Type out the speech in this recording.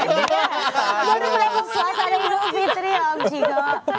baru main swasta dan minum vitri ya om cigo